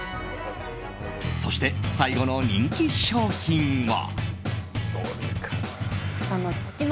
そして、最後の人気商品は。